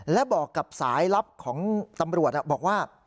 และบอกกับสายลับของตำรวจบอกว่า